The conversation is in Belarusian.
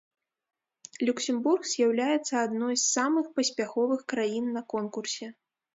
Люксембург з'яўляецца адной з самых паспяховых краін на конкурсе.